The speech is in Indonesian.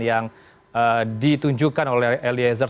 yang ditunjukkan oleh eliezer